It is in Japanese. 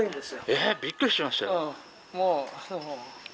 ええ？びっくりしました。